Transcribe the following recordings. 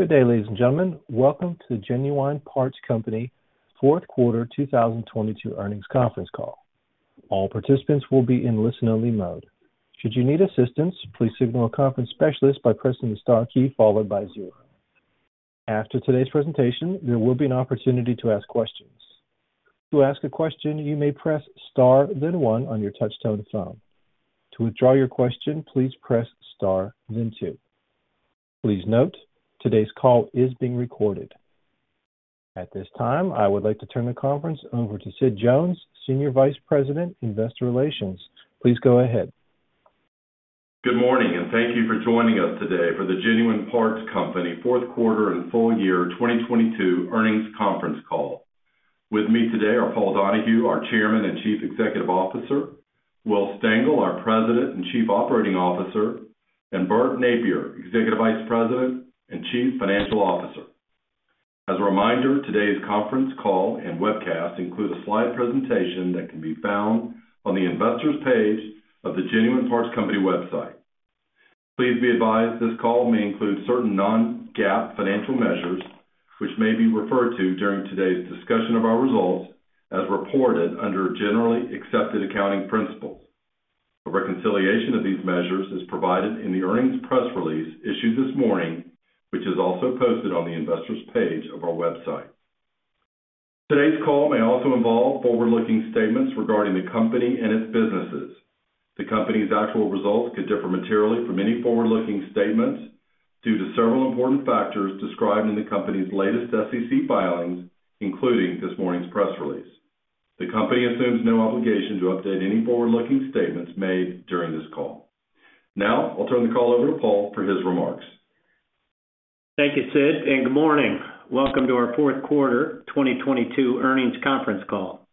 Good day, ladies and gentlemen. Welcome to the Genuine Parts Company Fourth Quarter 2022 Earnings Conference Call. All participants will be in listen-only mode. Should you need assistance, please signal a conference specialist by pressing the Star key followed by zero. After today's presentation, there will be an opportunity to ask questions. To ask a question, you may press Star then one on your touchtone phone. To withdraw your question, please press Star then two. Please note, today's call is being recorded. At this time, I would like to turn the conference over to Sid Jones, Senior Vice President, Investor Relations. Please go ahead. Good morning, thank you for joining us today for the Genuine Parts Company fourth quarter and full year 2022 earnings conference call. With me today are Paul Donahue, our Chairman and Chief Executive Officer, Will Stengel, our President and Chief Operating Officer, and Bert Nappier, Executive Vice President and Chief Financial Officer. As a reminder, today's conference call and webcast includes a slide presentation that can be found on the investors' page of the Genuine Parts Company website. Please be advised this call may include certain non-GAAP financial measures which may be referred to during today's discussion of our results as reported under Generally Accepted Accounting Principles. A reconciliation of these measures is provided in the earnings press release issued this morning, which is also posted on the investors' page of our website. Today's call may also involve forward-looking statements regarding the company and its businesses. The company's actual results could differ materially from any forward-looking statements due to several important factors described in the company's latest SEC filings, including this morning's press release. The company assumes no obligation to update any forward-looking statements made during this call. Now I'll turn the call over to Paul for his remarks. Thank you, Sid. Good morning. Welcome to our fourth quarter 2022 earnings conference call.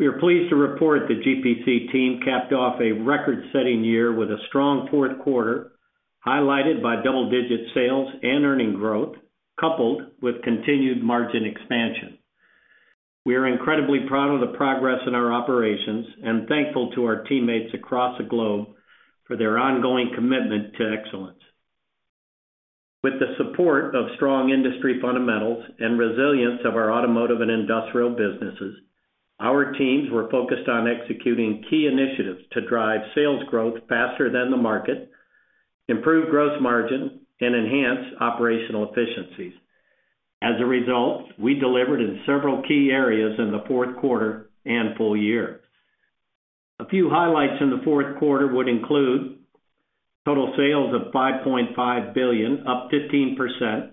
We are pleased to report the GPC team capped off a record-setting year with a strong fourth quarter, highlighted by double-digit sales and earning growth, coupled with continued margin expansion. We are incredibly proud of the progress in our operations and thankful to our teammates across the globe for their ongoing commitment to excellence. With the support of strong industry fundamentals and resilience of our automotive and industrial businesses, our teams were focused on executing key initiatives to drive sales growth faster than the market, improve gross margin, and enhance operational efficiencies. As a result, we delivered in several key areas in the fourth quarter and full year. A few highlights in the fourth quarter would include total sales of $5.5 billion, up 15%,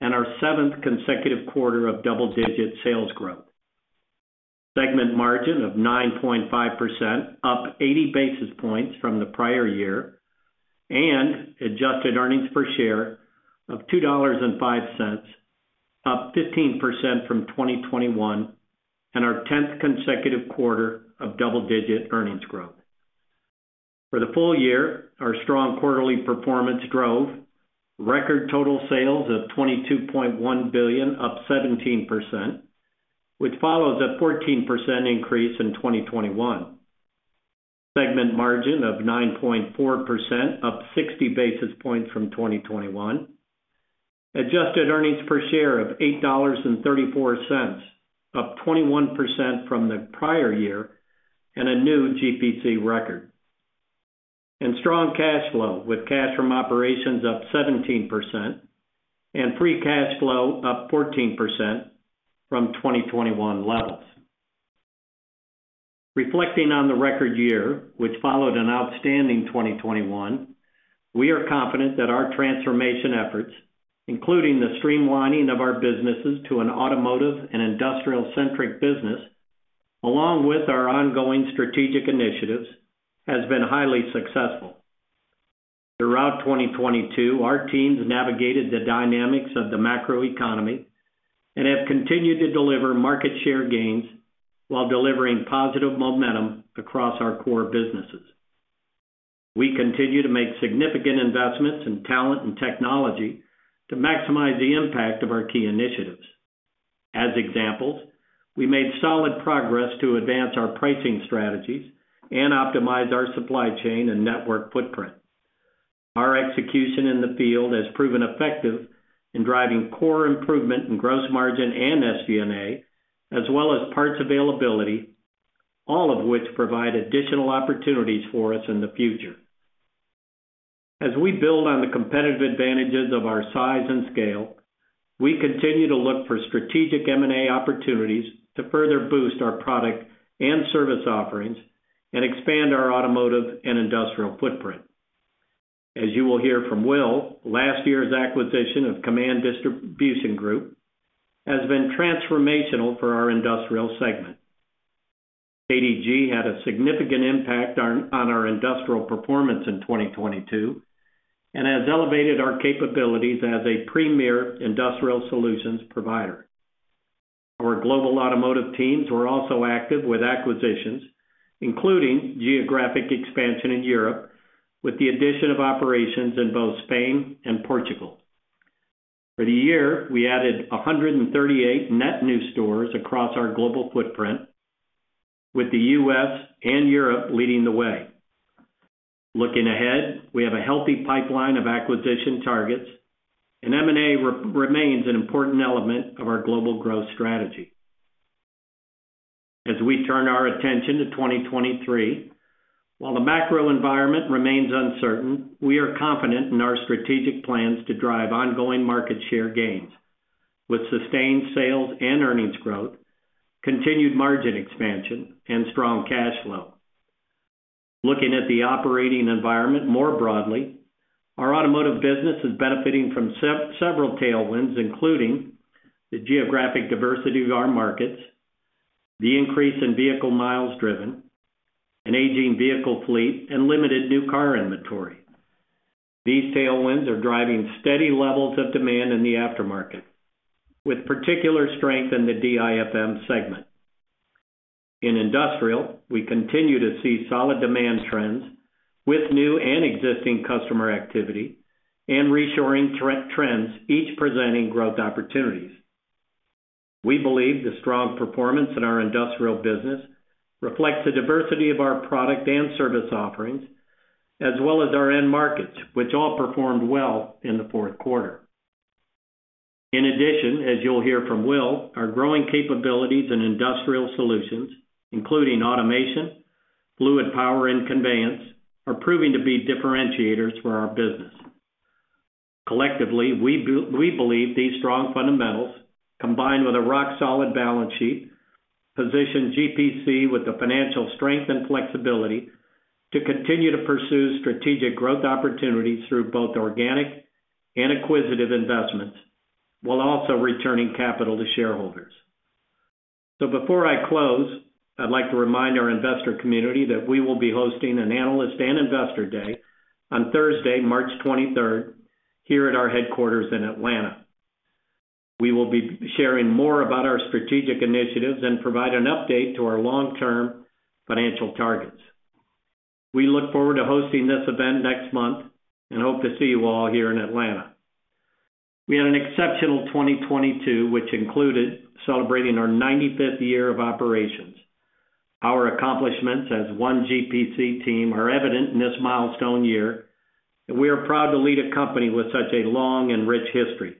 and our seventh consecutive quarter of double-digit sales growth. Segment margin of 9.5%, up 80 basis points from the prior year, and adjusted earnings per share of $2.05, up 15% from 2021, and our 10th consecutive quarter of double-digit earnings growth. For the full year, our strong quarterly performance drove record total sales of $22.1 billion, up 17%, which follows a 14% increase in 2021. Segment margin of 9.4%, up 60 basis points from 2021. Adjusted earnings per share of $8.34, up 21% from the prior year and a new GPC record. Strong cash flow, with cash from operations up 17% and free cash flow up 14% from 2021 levels. Reflecting on the record year, which followed an outstanding 2021, we are confident that our transformation efforts, including the streamlining of our businesses to an automotive and industrial-centric business, along with our ongoing strategic initiatives, has been highly successful. Throughout 2022, our teams navigated the dynamics of the macroeconomy and have continued to deliver market share gains while delivering positive momentum across our core businesses. We continue to make significant investments in talent and technology to maximize the impact of our key initiatives. As examples, we made solid progress to advance our pricing strategies and optimize our supply chain and network footprint. Our execution in the field has proven effective in driving core improvement in gross margin and SG&A, as well as parts availability, all of which provide additional opportunities for us in the future. As we build on the competitive advantages of our size and scale, we continue to look for strategic M&A opportunities to further boost our product and service offerings and expand our automotive and industrial footprint. As you will hear from Will, last year's acquisition of Kaman Distribution Group has been transformational for our industrial segment. KDG had a significant impact on our industrial performance in 2022 and has elevated our capabilities as a premier industrial solutions provider. Our global automotive teams were also active with acquisitions, including geographic expansion in Europe with the addition of operations in both Spain and Portugal. For the year, we added 138 net new stores across our global footprint, with the U.S. and Europe leading the way. Looking ahead, we have a healthy pipeline of acquisition targets. M&A remains an important element of our global growth strategy. As we turn our attention to 2023, while the macro environment remains uncertain, we are confident in our strategic plans to drive ongoing market share gains with sustained sales and earnings growth, continued margin expansion, and strong cash flow. Looking at the operating environment more broadly, our automotive business is benefiting from several tailwinds, including the geographic diversity of our markets, the increase in vehicle miles driven, an aging vehicle fleet, and limited new car inventory. These tailwinds are driving steady levels of demand in the aftermarket, with particular strength in the DIFM segment. In industrial, we continue to see solid demand trends with new and existing customer activity and reshoring trends, each presenting growth opportunities. We believe the strong performance in our industrial business reflects the diversity of our product and service offerings, as well as our end markets, which all performed well in the fourth quarter. As you'll hear from Will, our growing capabilities in industrial solutions, including automation, fluid power, and conveyance, are proving to be differentiators for our business. Collectively, we believe these strong fundamentals, combined with a rock-solid balance sheet, position GPC with the financial strength and flexibility to continue to pursue strategic growth opportunities through both organic and acquisitive investments, while also returning capital to shareholders. Before I close, I'd like to remind our investor community that we will be hosting an analyst and investor day on Thursday, March 23rd, here at our headquarters in Atlanta. We will be sharing more about our strategic initiatives and provide an update to our long-term financial targets. We look forward to hosting this event next month and hope to see you all here in Atlanta. We had an exceptional 2022, which included celebrating our 95th year of operations. Our accomplishments as one GPC team are evident in this milestone year, and we are proud to lead a company with such a long and rich history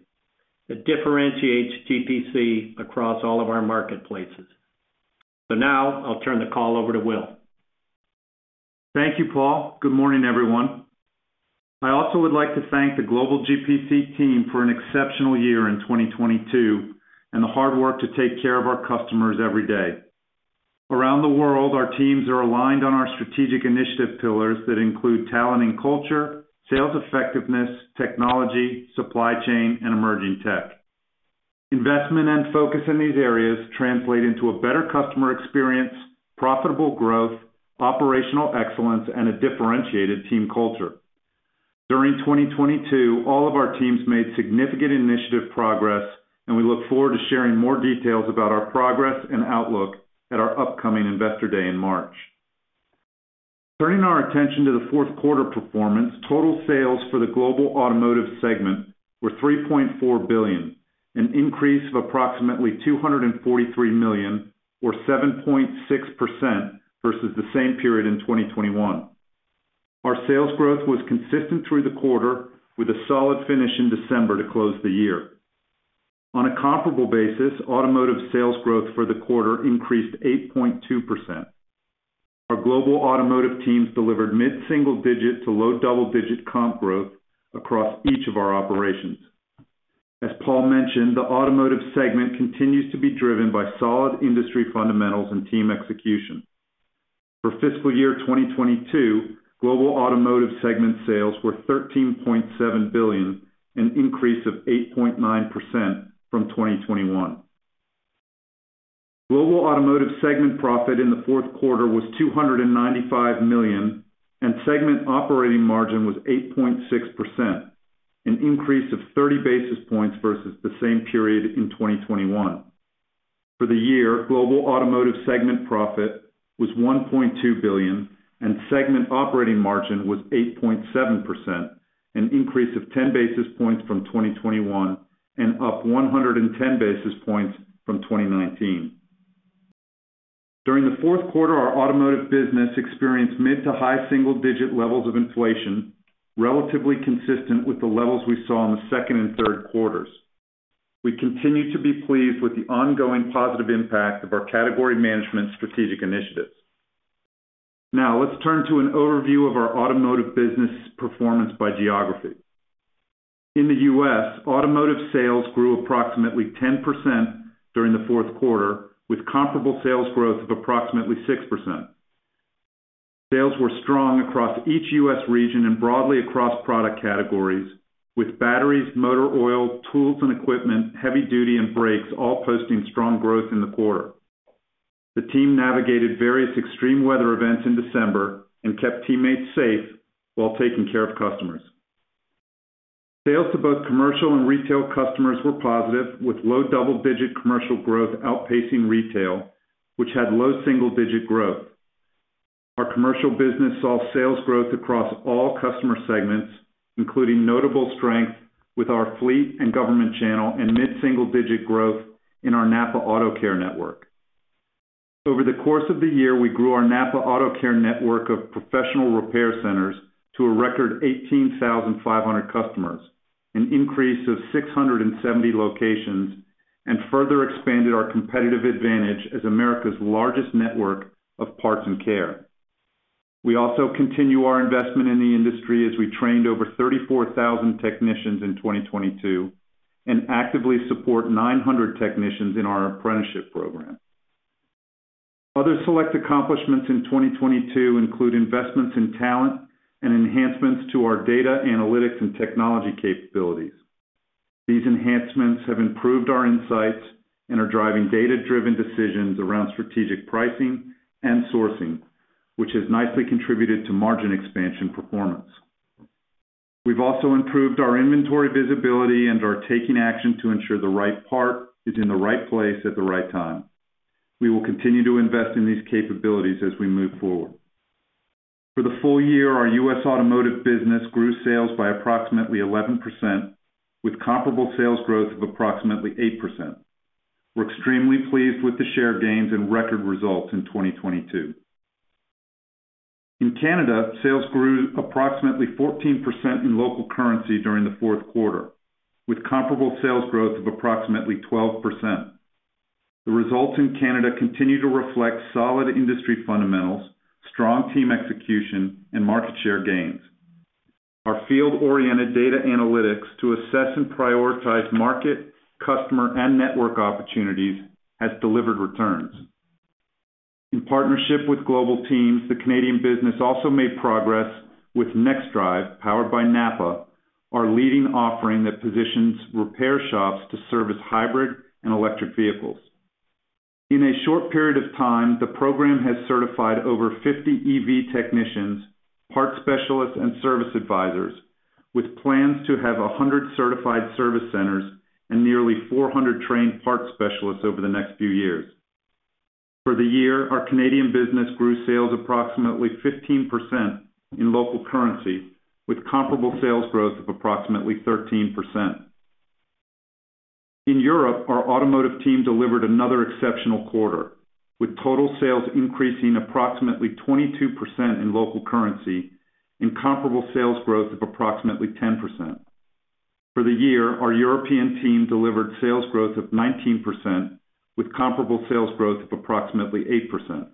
that differentiates GPC across all of our marketplaces. Now I'll turn the call over to Will. Thank you, Paul. Good morning, everyone. I also would like to thank the global GPC team for an exceptional year in 2022 and the hard work to take care of our customers every day. Around the world, our teams are aligned on our strategic initiative pillars that include talent and culture, sales effectiveness, technology, supply chain, and emerging tech. Investment and focus in these areas translate into a better customer experience, profitable growth, operational excellence, and a differentiated team culture. During 2022, all of our teams made significant initiative progress, and we look forward to sharing more details about our progress and outlook at our upcoming Investor Day in March. Turning our attention to the fourth quarter performance, total sales for the global automotive segment were $3.4 billion, an increase of approximately $243 million or 7.6% versus the same period in 2021. Our sales growth was consistent through the quarter with a solid finish in December to close the year. On a comparable basis, automotive sales growth for the quarter increased 8.2%. Our global automotive teams delivered mid-single digit to low double-digit comp growth across each of our operations. As Paul mentioned, the automotive segment continues to be driven by solid industry fundamentals and team execution. For fiscal year 2022, global automotive segment sales were $13.7 billion, an increase of 8.9% from 2021. Global automotive segment profit in the fourth quarter was $295 million, segment operating margin was 8.6%, an increase of 30 basis points versus the same period in 2021. For the year, global automotive segment profit was $1.2 billion, and segment operating margin was 8.7%, an increase of 10 basis points from 2021 and up 110 basis points from 2019. During the fourth quarter, our automotive business experienced mid to high single digit levels of inflation, relatively consistent with the levels we saw in the second and third quarters. We continue to be pleased with the ongoing positive impact of our category management strategic initiatives. Let's turn to an overview of our automotive business performance by geography. In the U.S., automotive sales grew approximately 10% during the fourth quarter, with comparable sales growth of approximately 6%. Sales were strong across each U.S. region and broadly across product categories, with batteries, motor oil, tools and equipment, heavy duty, and brakes all posting strong growth in the quarter. The team navigated various extreme weather events in December and kept teammates safe while taking care of customers. Sales to both commercial and retail customers were positive, with low double-digit commercial growth outpacing retail, which had low single-digit growth. Our commercial business saw sales growth across all customer segments, including notable strength with our fleet and government channel and mid-single digit growth in our NAPA AutoCare Network. Over the course of the year, we grew our NAPA AutoCare network of professional repair centers to a record 18,500 customers, an increase of 670 locations, and further expanded our competitive advantage as America's largest network of parts and care. We also continue our investment in the industry as we trained over 34,000 technicians in 2022 and actively support 900 technicians in our apprenticeship program. Other select accomplishments in 2022 include investments in talent and enhancements to our data analytics and technology capabilities. These enhancements have improved our insights and are driving data-driven decisions around strategic pricing and sourcing, which has nicely contributed to margin expansion performance. We've also improved our inventory visibility and are taking action to ensure the right part is in the right place at the right time. We will continue to invest in these capabilities as we move forward. For the full year, our U.S. automotive business grew sales by approximately 11%, with comparable sales growth of approximately 8%. We're extremely pleased with the share gains and record results in 2022. In Canada, sales grew approximately 14% in local currency during the fourth quarter, with comparable sales growth of approximately 12%. The results in Canada continue to reflect solid industry fundamentals, strong team execution, and market share gains. Our field-oriented data analytics to assess and prioritize market, customer, and network opportunities has delivered returns. In partnership with global teams, the Canadian business also made progress with NexDrive, powered by NAPA, our leading offering that positions repair shops to service hybrid and electric vehicles. In a short period of time, the program has certified over 50 EV technicians, part specialists, and service advisors with plans to have a 100 certified service centers and nearly 400 trained parts specialists over the next few years. For the year, our Canadian business grew sales approximately 15% in local currency, with comparable sales growth of approximately 13%. In Europe, our automotive team delivered another exceptional quarter, with total sales increasing approximately 22% in local currency and comparable sales growth of approximately 10%. For the year, our European team delivered sales growth of 19%, with comparable sales growth of approximately 8%.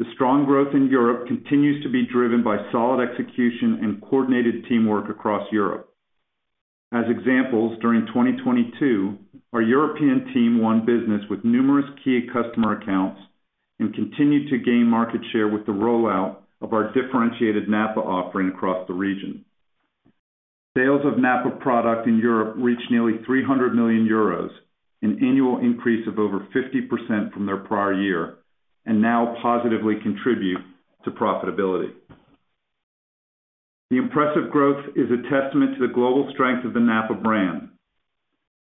The strong growth in Europe continues to be driven by solid execution and coordinated teamwork across Europe. As examples, during 2022, our European team won business with numerous key customer accounts and continued to gain market share with the rollout of our differentiated NAPA offering across the region. Sales of NAPA product in Europe reached nearly 300 million euros, an annual increase of over 50% from their prior year, and now positively contribute to profitability. The impressive growth is a testament to the global strength of the NAPA brand.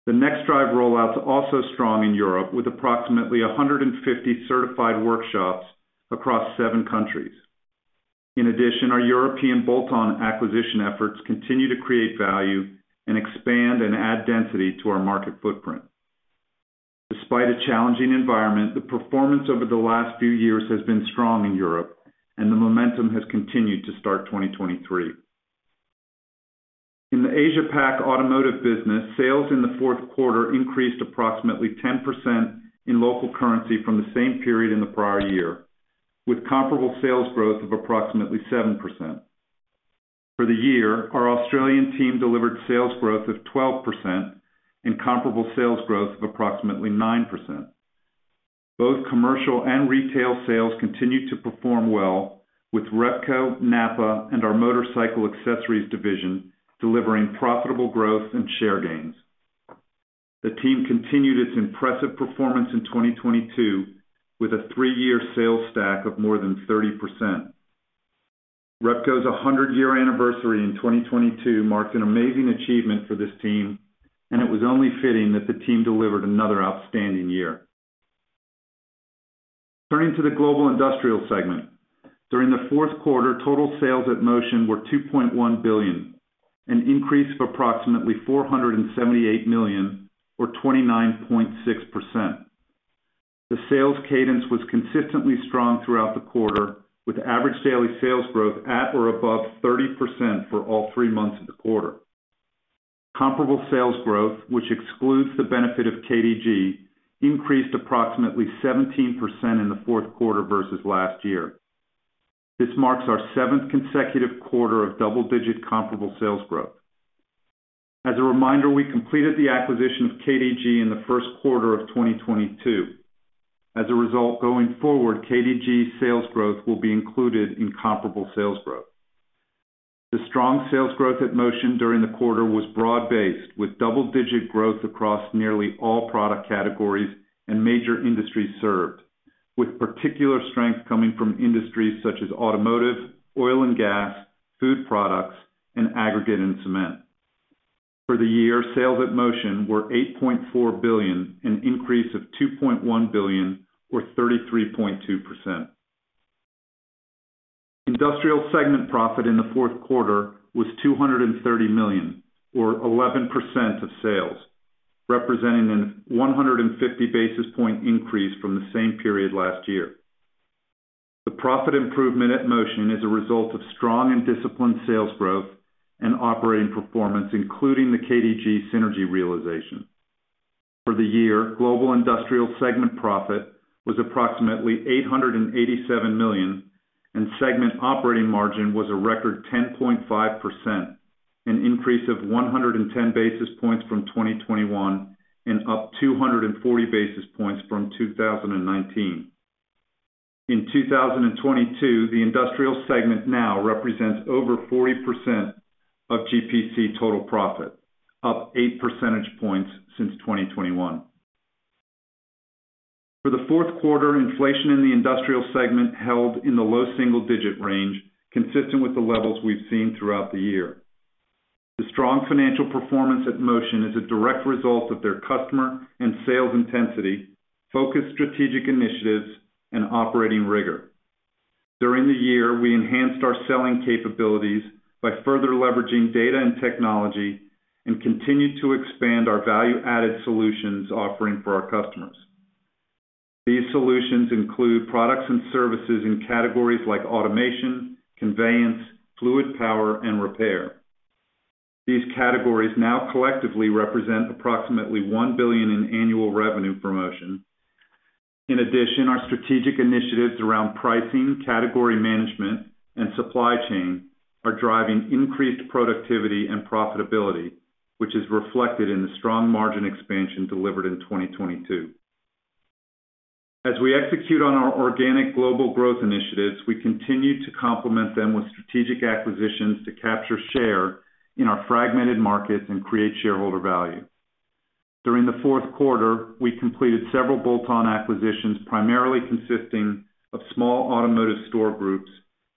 The NexDrive rollout is also strong in Europe, with approximately 150 certified workshops across seven countries. In addition, our European bolt-on acquisition efforts continue to create value and expand and add density to our market footprint. Despite a challenging environment, the performance over the last few years has been strong in Europe, and the momentum has continued to start 2023. In the Asia Pac automotive business, sales in the fourth quarter increased approximately 10% in local currency from the same period in the prior year, with comparable sales growth of approximately 7%. For the year, our Australian team delivered sales growth of 12% and comparable sales growth of approximately 9%. Both commercial and retail sales continued to perform well with Repco, NAPA, and our Motorcycle Accessories division delivering profitable growth and share gains. The team continued its impressive performance in 2022 with a three-year sales stack of more than 30%. Repco's 100-year anniversary in 2022 marked an amazing achievement for this team, and it was only fitting that the team delivered another outstanding year. Turning to the global industrial segment. During the fourth quarter, total sales at Motion were $2.1 billion, an increase of approximately $478 million or 29.6%. The sales cadence was consistently strong throughout the quarter, with average daily sales growth at or above 30% for all three months of the quarter. Comparable sales growth, which excludes the benefit of KDG, increased approximately 17% in the fourth quarter versus last year. This marks ourseventh consecutive quarter of double-digit comparable sales growth. As a reminder, we completed the acquisition of KDG in the first quarter of 2022. As a result, going forward, KDG's sales growth will be included in comparable sales growth. The strong sales growth at Motion during the quarter was broad-based, with double-digit growth across nearly all product categories and major industries served, with particular strength coming from industries such as automotive, oil and gas, food products, and aggregate and cement. For the year, sales at Motion were $8.4 billion, an increase of $2.1 billion or 33.2%. Industrial segment profit in the fourth quarter was $230 million or 11% of sales, representing a 150 basis point increase from the same period last year. The profit improvement at Motion is a result of strong and disciplined sales growth and operating performance, including the KDG synergy realization. For the year, global industrial segment profit was approximately $887 million, and segment operating margin was a record 10.5%, an increase of 110 basis points from 2021 and up 240 basis points from 2019. In 2022, the industrial segment now represents over 40% of GPC total profit, up 8 percentage points since 2021. For the fourth quarter, inflation in the industrial segment held in the low single-digit range, consistent with the levels we've seen throughout the year. The strong financial performance at Motion is a direct result of their customer and sales intensity, focused strategic initiatives, and operating rigor. During the year, we enhanced our selling capabilities by further leveraging data and technology and continued to expand our value-added solutions offering for our customers. These solutions include products and services in categories like automation, conveyance, fluid power, and repair. These categories now collectively represent approximately $1 billion in annual revenue for Motion. In addition, our strategic initiatives around pricing, category management, and supply chain are driving increased productivity and profitability, which is reflected in the strong margin expansion delivered in 2022. As we execute on our organic global growth initiatives, we continue to complement them with strategic acquisitions to capture share in our fragmented markets and create shareholder value. During the fourth quarter, we completed several bolt-on acquisitions, primarily consisting of small automotive store groups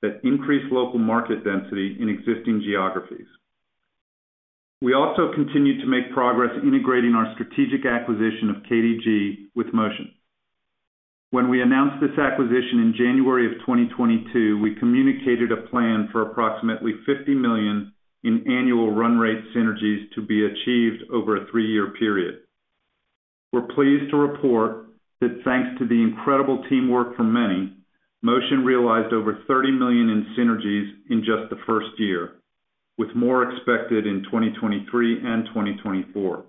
that increase local market density in existing geographies. We also continued to make progress integrating our strategic acquisition of KDG with Motion. When we announced this acquisition in January 2022, we communicated a plan for approximately $50 million in annual run rate synergies to be achieved over a three-year period. We're pleased to report that thanks to the incredible teamwork from many, Motion realized over $30 million in synergies in just the first year, with more expected in 2023 and 2024.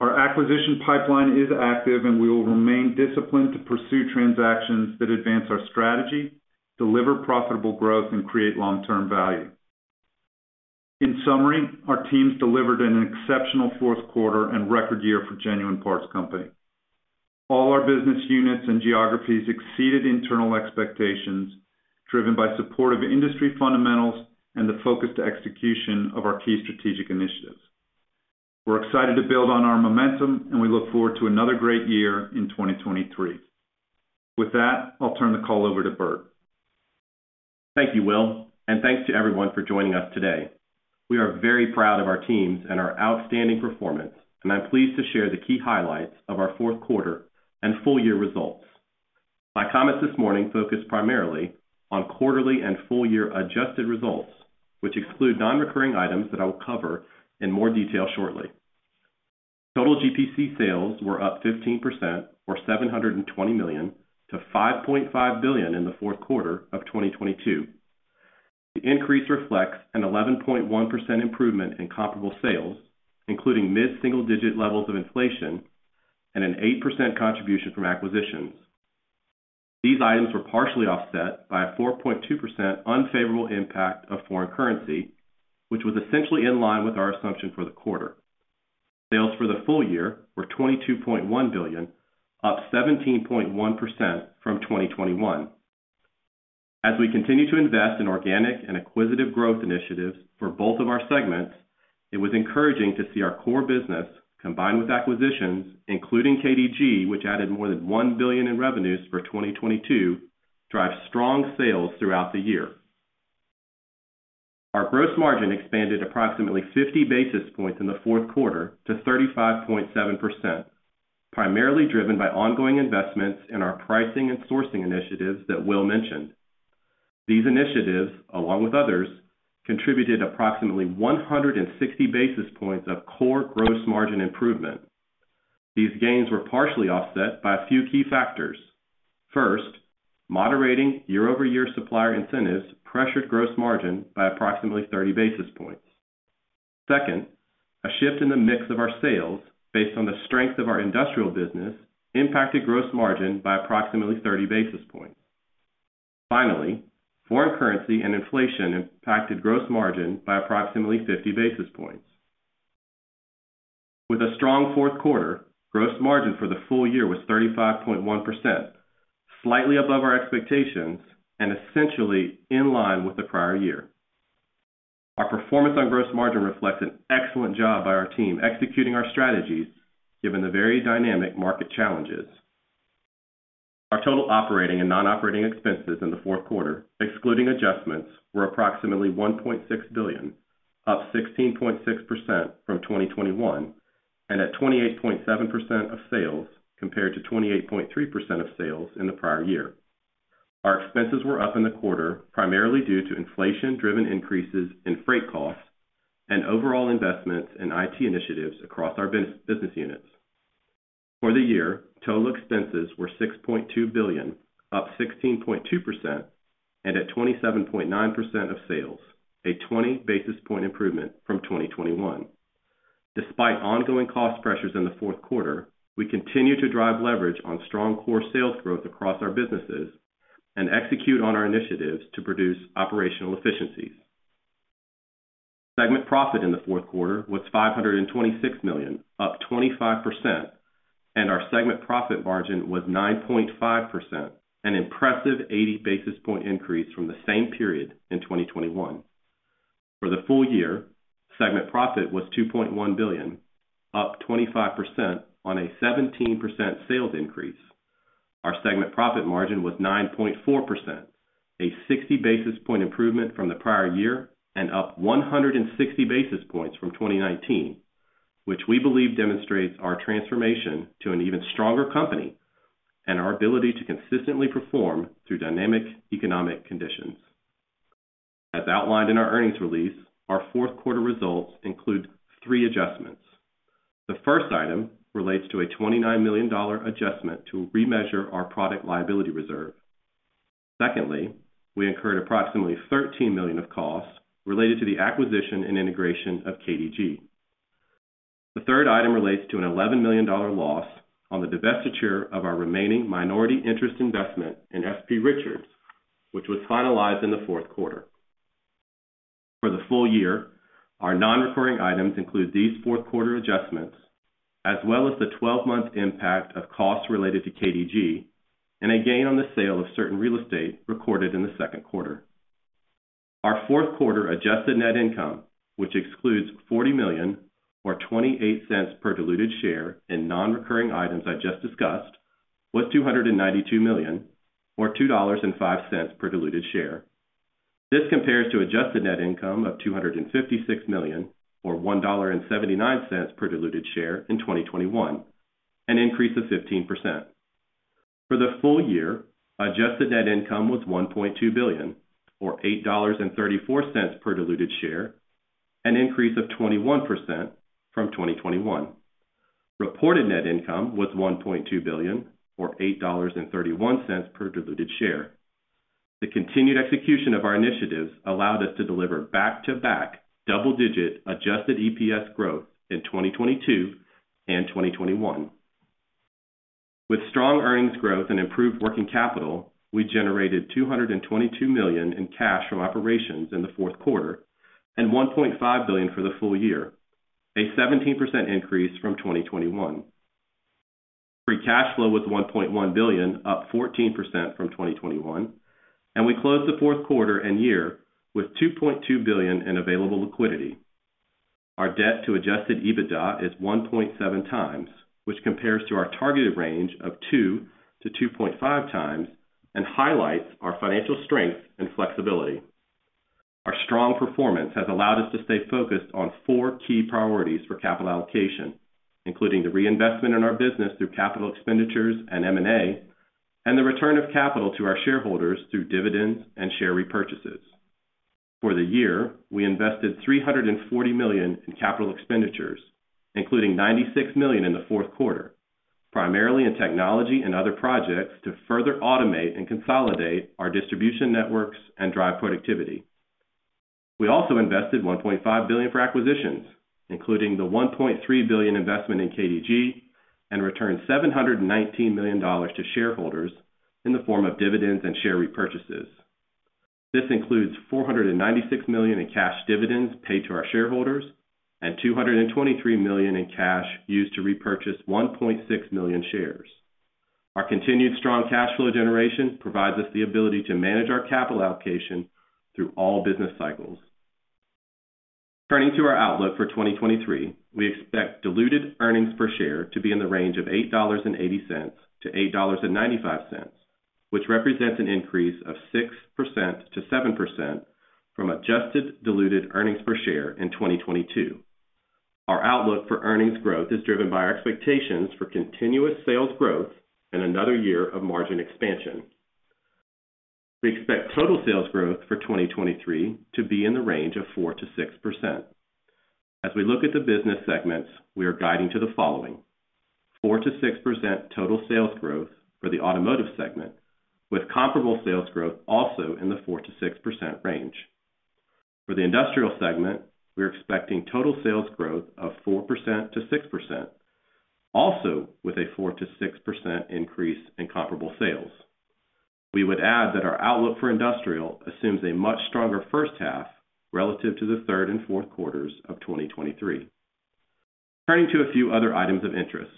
Our acquisition pipeline is active, and we will remain disciplined to pursue transactions that advance our strategy, deliver profitable growth, and create long-term value. In summary, our teams delivered an exceptional fourth quarter and record year for Genuine Parts Company. All our business units and geographies exceeded internal expectations, driven by supportive industry fundamentals and the focused execution of our key strategic initiatives. We're excited to build on our momentum, and we look forward to another great year in 2023. With that, I'll turn the call over to Bert. Thank you, Will, and thanks to everyone for joining us today. We are very proud of our teams and our outstanding performance, and I'm pleased to share the key highlights of our fourth quarter and full year results. My comments this morning focus primarily on quarterly and full year adjusted results, which exclude non-recurring items that I will cover in more detail shortly. Total GPC sales were up 15% or $720 million to $5.5 billion in the fourth quarter of 2022. The increase reflects an 11.1% improvement in comparable sales, including mid-single digit levels of inflation and an 8% contribution from acquisitions. These items were partially offset by a 4.2% unfavorable impact of foreign currency, which was essentially in line with our assumption for the quarter. Sales for the full year were $22.1 billion, up 17.1% from 2021. As we continue to invest in organic and acquisitive growth initiatives for both of our segments, it was encouraging to see our core business combined with acquisitions, including KDG, which added more than $1 billion in revenues for 2022, drive strong sales throughout the year. Our gross margin expanded approximately 50 basis points in the fourth quarter to 35.7%, primarily driven by ongoing investments in our pricing and sourcing initiatives that Will mentioned. These initiatives, along with others, contributed approximately 160 basis points of core gross margin improvement. These gains were partially offset by a few key factors. First, moderating year-over-year supplier incentives pressured gross margin by approximately 30 basis points. Second, a shift in the mix of our sales based on the strength of our industrial business impacted gross margin by approximately 30 basis points. Finally, foreign currency and inflation impacted gross margin by approximately 50 basis points. With a strong fourth quarter, gross margin for the full year was 35.1%, slightly above our expectations and essentially in line with the prior year. Our performance on gross margin reflects an excellent job by our team executing our strategies given the very dynamic market challenges. Our total operating and non-operating expenses in the fourth quarter, excluding adjustments, were approximately $1.6 billion, up 16.6% from 2021. At 28.7% of sales compared to 28.3% of sales in the prior year. Our expenses were up in the quarter, primarily due to inflation-driven increases in freight costs and overall investments in IT initiatives across our business units. For the year, total expenses were $6.2 billion, up 16.2%, and at 27.9% of sales, a 20 basis point improvement from 2021. Despite ongoing cost pressures in the fourth quarter, we continue to drive leverage on strong core sales growth across our businesses and execute on our initiatives to produce operational efficiencies. Segment profit in the fourth quarter was $526 million, up 25%, and our segment profit margin was 9.5%, an impressive 80 basis point increase from the same period in 2021. For the full year, segment profit was $2.1 billion, up 25% on a 17% sales increase. Our segment profit margin was 9.4%, a 60 basis point improvement from the prior year and up 160 basis points from 2019, which we believe demonstrates our transformation to an even stronger company and our ability to consistently perform through dynamic economic conditions. As outlined in our earnings release, our fourth quarter results include three adjustments. The first item relates to a $29 million adjustment to remeasure our product liability reserve. Secondly, we incurred approximately $13 million of costs related to the acquisition and integration of KDG. The third item relates to an $11 million loss on the divestiture of our remaining minority interest investment in S.P. Richards, which was finalized in the fourth quarter. For the full year, our non-recurring items include these fourth quarter adjustments, as well as the 12-month impact of costs related to KDG and a gain on the sale of certain real estate recorded in the second quarter. Our fourth quarter adjusted net income, which excludes $40 million or $0.28 per diluted share in non-recurring items I just discussed, was $292 million or $2.05 per diluted share. This compares to adjusted net income of $256 million or $1.79 per diluted share in 2021, an increase of 15%. For the full year, adjusted net income was $1.2 billion or $8.34 per diluted share, an increase of 21% from 2021. Reported net income was $1.2 billion or $8.31 per diluted share. The continued execution of our initiatives allowed us to deliver back-to-back double-digit adjusted EPS growth in 2022 and 2021. With strong earnings growth and improved working capital, we generated $222 million in cash from operations in the fourth quarter and $1.5 billion for the full year, a 17% increase from 2021. Free cash flow was $1.1 billion, up 14% from 2021. We closed the fourth quarter and year with $2.2 billion in available liquidity. Our debt to adjusted EBITDA is 1.7x, which compares to our targeted range of 2x-2.5x and highlights our financial strength and flexibility. Our strong performance has allowed us to stay focused on four key priorities for capital allocation, including the reinvestment in our business through capital expenditures and M&A, and the return of capital to our shareholders through dividends and share repurchases. For the year, we invested $340 million in capital expenditures, including $96 million in the fourth quarter, primarily in technology and other projects to further automate and consolidate our distribution networks and drive productivity. We also invested $1.5 billion for acquisitions, including the $1.3 billion investment in KDG, and returned $719 million to shareholders in the form of dividends and share repurchases. This includes $496 million in cash dividends paid to our shareholders and $223 million in cash used to repurchase 1.6 million shares. Our continued strong cash flow generation provides us the ability to manage our capital allocation through all business cycles. Turning to our outlook for 2023, we expect diluted earnings per share to be in the range of $8.80-$8.95, which represents an increase of 6%-7% from adjusted diluted earnings per share in 2022. Our outlook for earnings growth is driven by our expectations for continuous sales growth and another year of margin expansion. We expect total sales growth for 2023 to be in the range of 4%-6%. As we look at the business segments, we are guiding to the following: 4%-6% total sales growth for the automotive segment, with comparable sales growth also in the 4%-6% range. For the industrial segment, we are expecting total sales growth of 4%-6%, also with a 4%-6% increase in comparable sales. We would add that our outlook for industrial assumes a much stronger first half relative to the third and fourth quarters of 2023. Turning to a few other items of interest.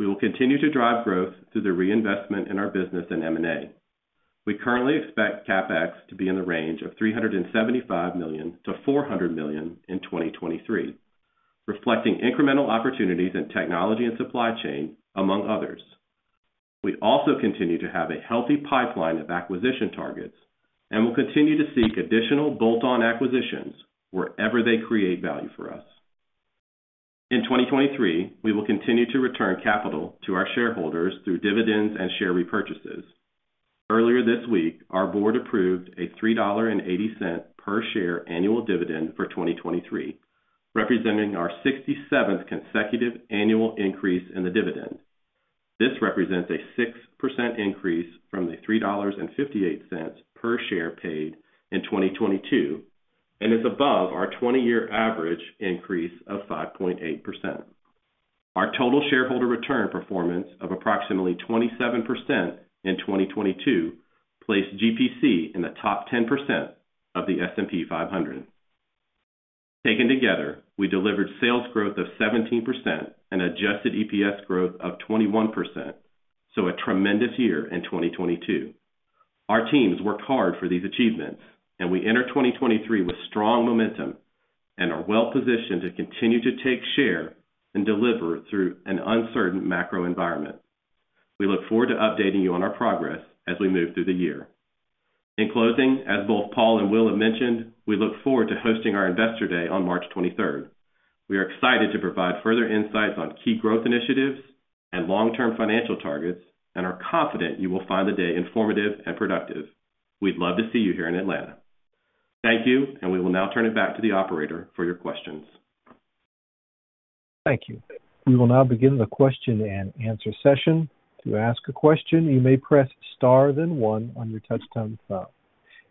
We will continue to drive growth through the reinvestment in our business in M&A. We currently expect CapEx to be in the range of $375 million-$400 million in 2023, reflecting incremental opportunities in technology and supply chain, among others. We also continue to have a healthy pipeline of acquisition targets and will continue to seek additional bolt-on acquisitions wherever they create value for us. In 2023, we will continue to return capital to our shareholders through dividends and share repurchases. Earlier this week, our board approved a $3.80 per share annual dividend for 2023, representing our 67th consecutive annual increase in the dividend. This represents a 6% increase from the $3.58 per share paid in 2022 and is above our 20-year average increase of 5.8%. Our total shareholder return performance of approximately 27% in 2022 placed GPC in the top 10% of the S&P 500. Taken together, we delivered sales growth of 17% and adjusted EPS growth of 21%. A tremendous year in 2022. Our teams worked hard for these achievements. We enter 2023 with strong momentum and are well positioned to continue to take share and deliver through an uncertain macro environment. We look forward to updating you on our progress as we move through the year. In closing, as both Paul and Will have mentioned, we look forward to hosting our Investor Day on March 23rd. We are excited to provide further insights on key growth initiatives and long-term financial targets and are confident you will find the day informative and productive. We'd love to see you here in Atlanta. Thank you. We will now turn it back to the operator for your questions. Thank you. We will now begin the question-and-answer session. To ask a question, you may press star then one on your touchtone phone.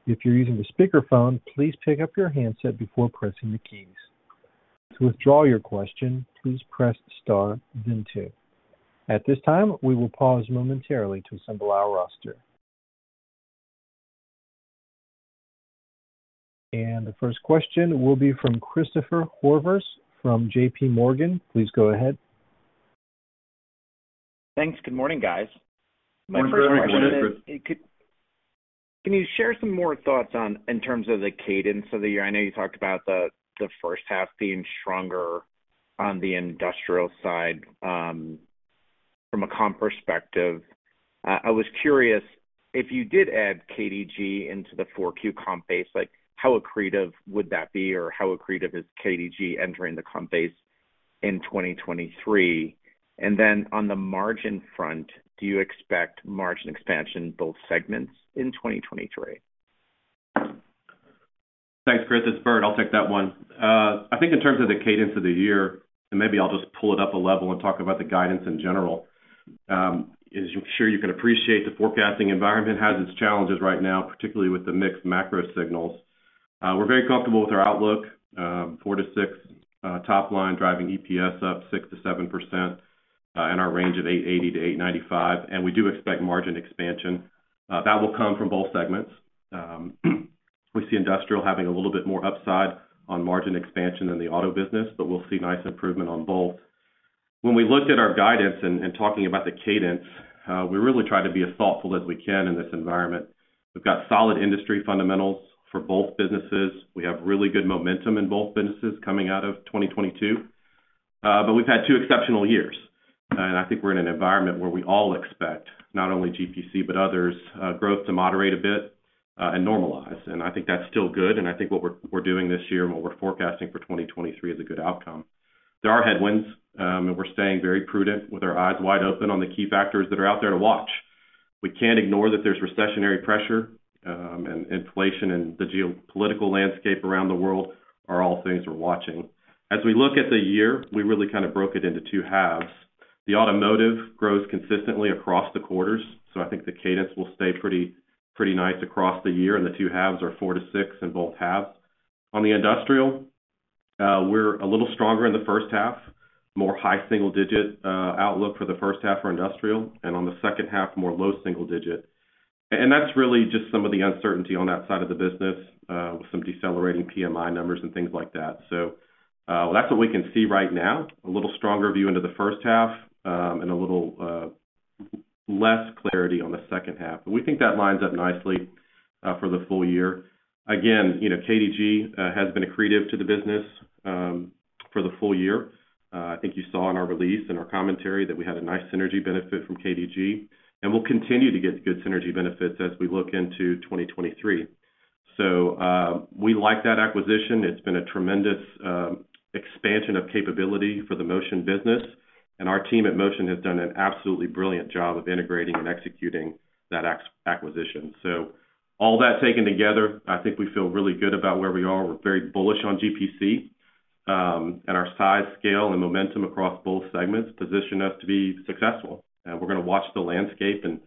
If you're using the speakerphone, please pick up your handset before pressing the keys. To withdraw your question, please press star then two. At this time, we will pause momentarily to assemble our roster. The first question will be from Christopher Horvers from JP Morgan. Please go ahead. Thanks. Good morning, guys. Good morning, Chris. My first question is, can you share some more thoughts on, in terms of the cadence of the year? I know you talked about the first half being stronger on the industrial side, from a comp perspective. I was curious if you did add KDG into the 4Q comp base, like how accretive would that be? Or how accretive is KDG entering the comp base in 2023? On the margin front, do you expect margin expansion both segments in 2023? Thanks, Chris. It's Bert. I'll take that one. I think in terms of the cadence of the year, and maybe I'll just pull it up a level and talk about the guidance in general. As I'm sure you can appreciate, the forecasting environment has its challenges right now, particularly with the mixed macro signals. We're very comfortable with our outlook, 4%-6% top line driving EPS up 6%-7%, in our range of $8.80-$8.95. We do expect margin expansion. That will come from both segments. We see industrial having a little bit more upside on margin expansion than the auto business, but we'll see nice improvement on both. When we looked at our guidance and talking about the cadence, we really try to be as thoughtful as we can in this environment. We've got solid industry fundamentals for both businesses. We have really good momentum in both businesses coming out of 2022. We've had two exceptional years, and I think we're in an environment where we all expect, not only GPC but others, growth to moderate a bit, and normalize. I think that's still good, and I think what we're doing this year and what we're forecasting for 2023 is a good outcome. There are headwinds, and we're staying very prudent with our eyes wide open on the key factors that are out there to watch. We can't ignore that there's recessionary pressure, and inflation and the geopolitical landscape around the world are all things we're watching. As we look at the year, we really kind of broke it into two halves. The automotive grows consistently across the quarters, I think the cadence will stay pretty nice across the year, and the two halves are 4%-6% in both halves. On the industrial, we're a little stronger in the first half, more high single-digit outlook for the first half for industrial, and on the second half, more low single-digit. That's really just some of the uncertainty on that side of the business, with some decelerating PMI numbers and things like that. That's what we can see right now, a little stronger view into the first half, and a little less clarity on the second half. We think that lines up nicely, for the full year. Again, you know, KDG has been accretive to the business, for the full year. I think you saw in our release and our commentary that we had a nice synergy benefit from KDG, and we'll continue to get good synergy benefits as we look into 2023. We like that acquisition. It's been a tremendous expansion of capability for the Motion business, and our team at Motion has done an absolutely brilliant job of integrating and executing that acquisition. All that taken together, I think we feel really good about where we are. We're very bullish on GPC, and our size, scale, and momentum across both segments position us to be successful. We're going to watch the landscape and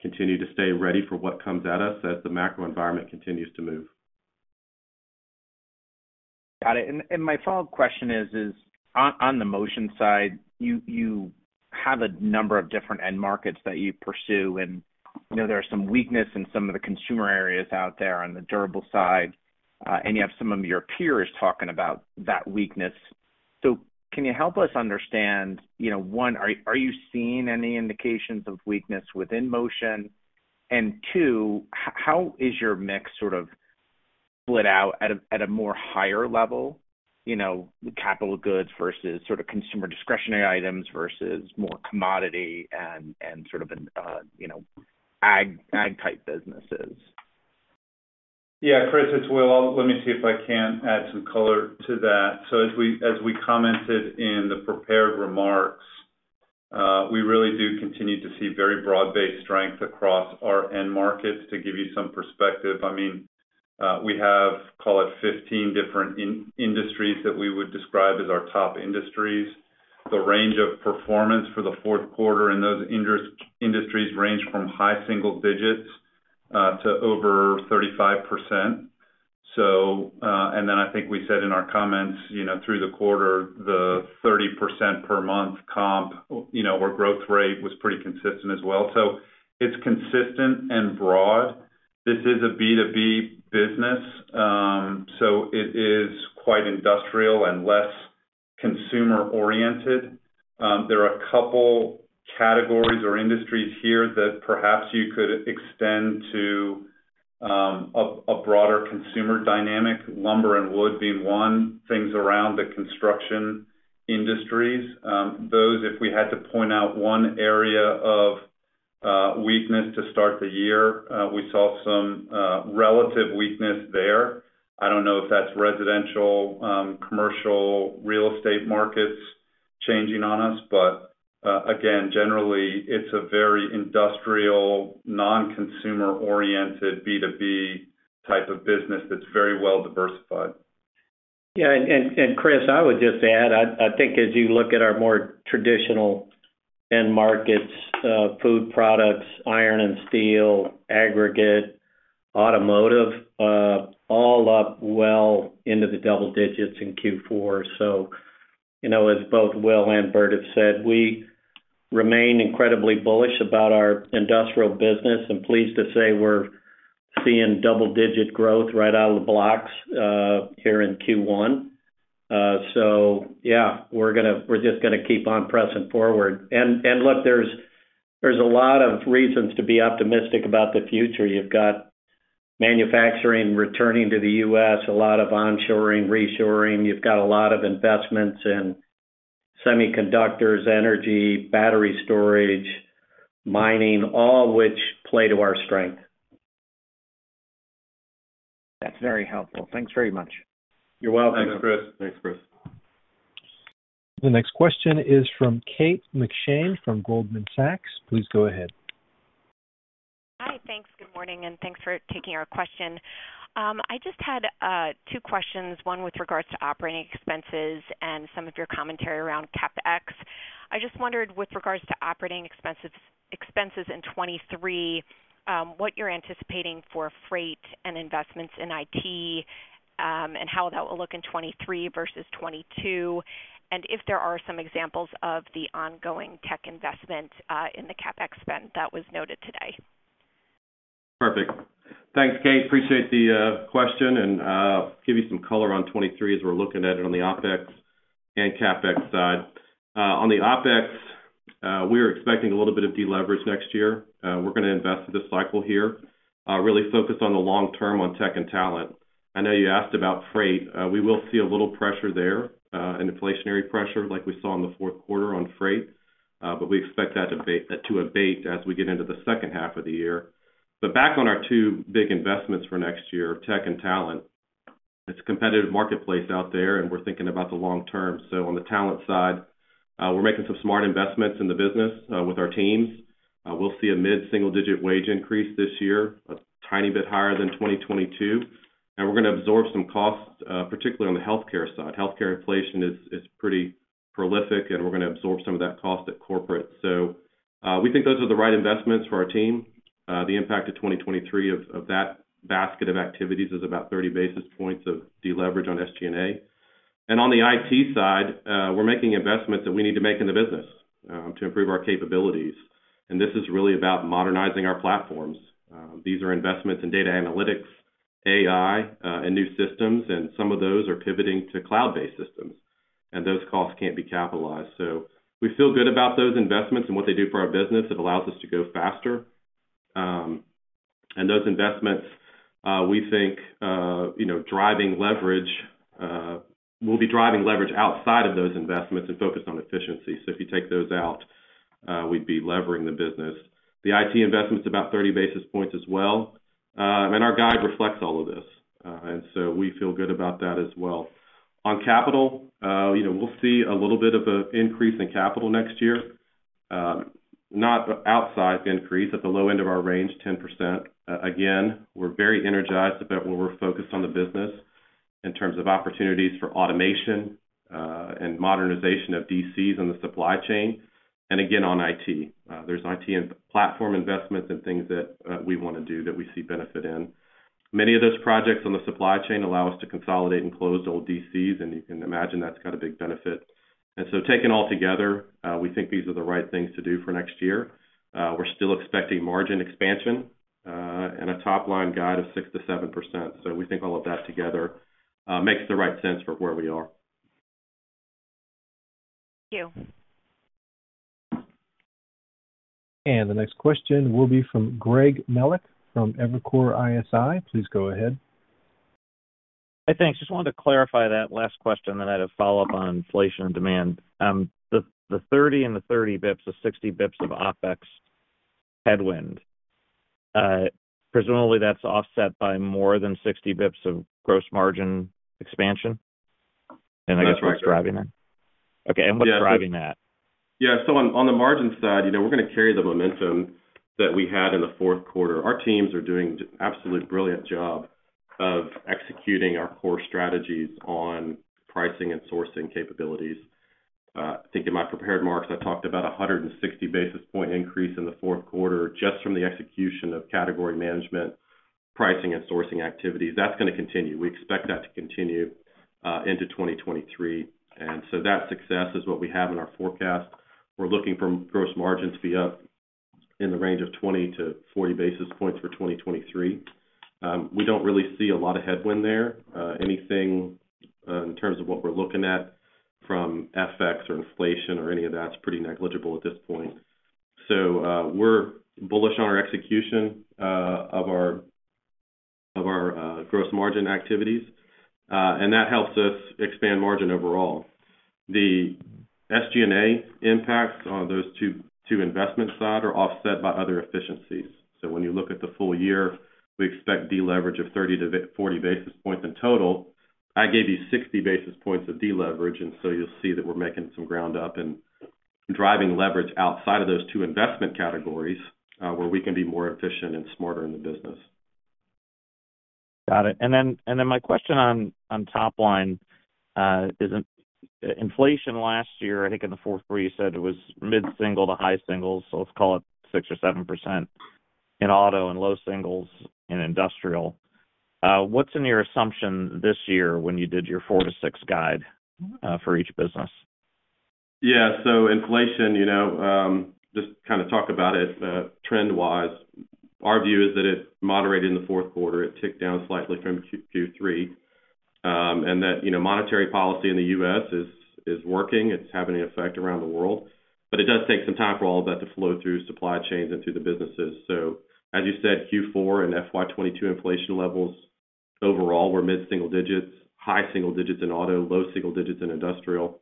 continue to stay ready for what comes at us as the macro environment continues to move. Got it. My follow-up question is on the Motion side, you have a number of different end markets that you pursue, and, you know, there are some weakness in some of the consumer areas out there on the durable side. You have some of your peers talking about that weakness. Can you help us understand, you know, one, are you seeing any indications of weakness within Motion? Two, how is your mix sort of split out at a more higher level, you know, capital goods versus sort of consumer discretionary items versus more commodity and sort of an, you know, ag type businesses. Chris, it's Will. Let me see if I can add some color to that. As we commented in the prepared remarks, we really do continue to see very broad-based strength across our end markets. To give you a perspective, I mean, we have, call it 15 different industries that we would describe as our top industries. The range of performance for the fourth quarter in those industries range from high single digits to over 35%. I think we said in our comments, you know, through the quarter, the 30% per month comp, you know, or growth rate was pretty consistent as well. It's consistent and broad. This is a B2B business, it is quite industrial and less consumer-oriented. There are a couple categories or industries here that perhaps you could extend to a broader consumer dynamic. Lumber and wood being one, things around the construction industries. Those if we had to point out one area of weakness to start the year, we saw some relative weakness there. I don't know if that's residential, commercial real estate markets changing on us, but again, generally it's a very industrial, non-consumer-oriented B2B type of business that's very well diversified. Yeah, Chris, I would just add, I think as you look at our more traditional end markets, food products, iron and steel, aggregate, automotive, all up well into the double digits in Q4. You know, as both Will and Bert have said, we remain incredibly bullish about our industrial business and pleased to say we're seeing double-digit growth right out of the blocks here in Q1. Yeah, we're just going to keep on pressing forward. Look, there's a lot of reasons to be optimistic about the future. You've got manufacturing returning to the U.S., a lot of onshoring, reshoring. You've got a lot of investments in semiconductors, energy, battery storage, mining, all which play to our strength. That's very helpful. Thanks very much. You're welcome. Thanks, Chris. The next question is from Kate McShane from Goldman Sachs. Please go ahead. Hi. Thanks. Good morning, and thanks for taking our question. I just had two questions, one with regards to operating expenses and some of your commentary around CapEx. I just wondered with regards to operating expenses in 2023, what you're anticipating for freight and investments in IT, and how that will look in 2023 versus 2022, and if there are some examples of the ongoing tech investment in the CapEx spend that was noted today? Perfect. Thanks, Kate. Appreciate the question. I'll give you some color on 2023 as we're looking at it on the OpEx and CapEx side. On the OpEx, we're expecting a little bit of deleverage next year. We're going to invest in this cycle here, really focus on the long term on tech and talent. I know you asked about freight. We will see a little pressure there, an inflationary pressure like we saw in the fourth quarter on freight, but we expect that to abate as we get into the second half of the year. Back on our two big investments for next year, tech and talent. It's a competitive marketplace out there, and we're thinking about the long term. On the talent side, we're making some smart investments in the business, with our teams. We'll see a mid-single-digit wage increase this year, a tiny bit higher than 2022. We're going to absorb some costs, particularly on the healthcare side. Healthcare inflation is pretty prolific, and we're going to absorb some of that cost at corporate. We think those are the right investments for our team. The impact of 2023 of that basket of activities is about 30 basis points of deleverage on SG&A. On the IT side, we're making investments that we need to make in the business to improve our capabilities, and this is really about modernizing our platforms. These are investments in data analytics, AI, and new systems, and some of those are pivoting to cloud-based systems, and those costs can't be capitalized. We feel good about those investments and what they do for our business. It allows us to go faster. Those investments, we think, you know, driving leverage, will be driving leverage outside of those investments and focused on efficiency. If you take those out, we'd be levering the business. The IT investment is about 30 basis points as well. Our guide reflects all of this. We feel good about that as well. On capital, you know, we'll see a little bit of a increase in capital next year, not outside the increase at the low end of our range, 10%. Again, we're very energized about where we're focused on the business in terms of opportunities for automation, and modernization of DCs in the supply chain. Again on IT. There's IT and platform investments and things that we want to do that we see benefit in. Many of those projects on the supply chain allow us to consolidate and close old DCs, and you can imagine that's got a big benefit. Taken all together, we think these are the right things to do for next year. We're still expecting margin expansion, and a top-line guide of 6% to 7%. We think all of that together makes the right sense for where we are. Thank you. The next question will be from Greg Melich from Evercore ISI. Please go ahead. Hey, thanks. Just wanted to clarify that last question, I'd have follow-up on inflation and demand. The 60 basis points of OpEx headwind, presumably that's offset by more than 60 basis points of gross margin expansion? Okay, what's driving that? Yeah. On the margin side, you know, we're going to carry the momentum that we had in the fourth quarter. Our teams are doing absolute brilliant job of executing our core strategies on pricing and sourcing capabilities. I think in my prepared remarks, I talked about a 160 basis point increase in the fourth quarter just from the execution of category management, pricing, and sourcing activities. That's going to continue. We expect that to continue into 2023. That success is what we have in our forecast. We're looking for gross margin to be up in the range of 20-40 basis points for 2023. We don't really see a lot of headwind there. Anything in terms of what we're looking at from FX or inflation or any of that's pretty negligible at this point. We're bullish on our execution of our gross margin activities, and that helps us expand margin overall. The SG&A impacts on those two investment side are offset by other efficiencies. When you look at the full year, we expect deleverage of 30-40 basis points in total. I gave you 60 basis points of deleverage, you'll see that we're making some ground up and driving leverage outside of those two investment categories, where we can be more efficient and smarter in the business. Got it. My question on top line, is inflation last year, I think in the four, three you said it was mid-single to high singles, so let's call it 6% or 7% in auto and low singles in industrial. What's in your assumption this year when you did your 4%-6% guide for each business? Yeah. Inflation, you know, just kind of talk about it trend-wise. Our view is that it moderated in the fourth quarter. It ticked down slightly from Q3. You know, monetary policy in the U.S. is working. It's having an effect around the world. It does take some time for all of that to flow through supply chains and through the businesses. As you said, Q4 and FY 2022 inflation levels, overall were mid-single-digits, high-single-digits in auto, low-single-digits in industrial.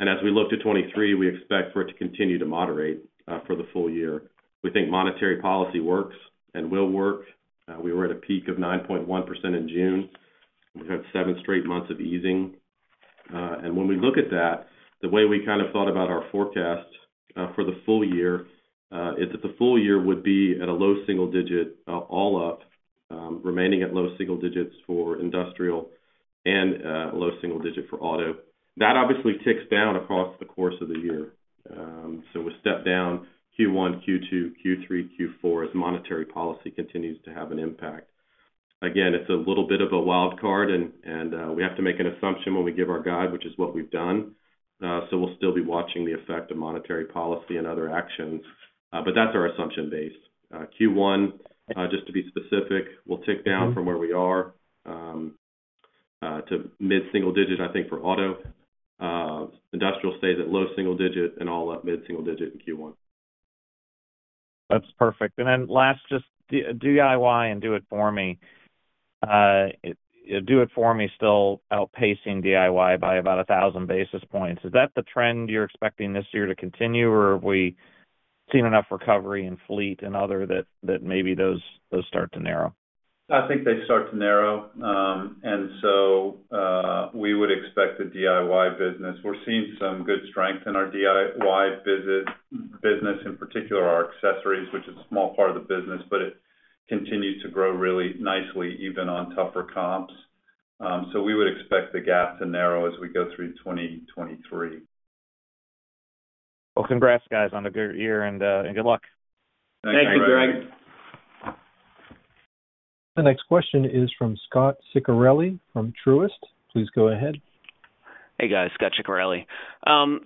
As we look to 2023, we expect for it to continue to moderate for the full year. We think monetary policy works and will work. We were at a peak of 9.1% in June. We've had seven straight months of easing. When we look at that, the way we kind of thought about our forecast for the full year, is that the full year would be at a low single-digit, all up, remaining at low single-digits for industrial and low single-digit for auto. That obviously ticks down across the course of the year. We step down Q1, Q2, Q3, Q4 as monetary policy continues to have an impact. Again, it's a little bit of a wild card and we have to make an assumption when we give our guide, which is what we've done. We'll still be watching the effect of monetary policy and other actions. That's our assumption base. Q1, just to be specific, will tick down from where we are to mid-single-digit, I think, for auto. Industrial stays at low single digit and all at mid-single digit in Q1. That's perfect. Last, just DIY and do it for me. Do it for me still outpacing DIY by about 1,000 basis points. Is that the trend you're expecting this year to continue, or have we seen enough recovery in fleet and other that maybe those start to narrow? I think they start to narrow. We would expect the DIY business. We're seeing some good strength in our DIY business, in particular our accessories, which is a small part of the business, but it continues to grow really nicely, even on tougher comps. We would expect the gap to narrow as we go through 2023. Well, congrats, guys, on a great year, and good luck. Thank you, Greg. The next question is from Scot Ciccarelli from Truist. Please go ahead. Hey, guys. Scot Ciccarelli.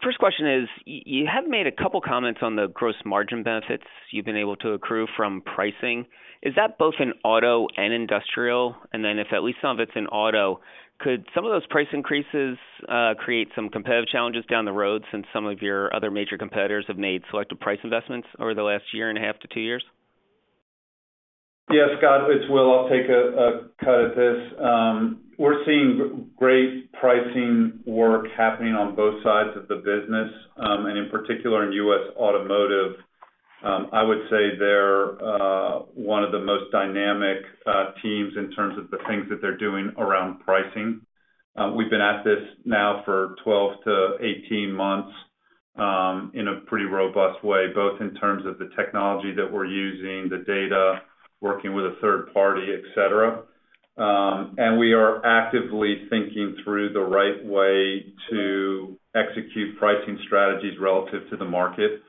First question is, you have made a couple comments on the gross margin benefits you've been able to accrue from pricing. Is that both in auto and industrial? Then if at least some of it's in auto, could some of those price increases create some competitive challenges down the road since some of your other major competitors have made selective price investments over the last year and a half to two years? Yeah, Scot, it's Will. I'll take a cut at this. We're seeing great pricing work happening on both sides of the business, and in particular in U.S. automotive. I would say they're one of the most dynamic teams in terms of the things that they're doing around pricing. We've been at this now for 12 to 18 months, in a pretty robust way, both in terms of the technology that we're using, the data, working with a third party, et cetera. We are actively thinking through the right way to execute pricing strategies relative to the market.